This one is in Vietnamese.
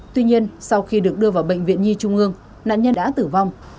tuy nhiên sau khi được đưa vào bệnh viện nhi trung ương nạn nhân đã tử vong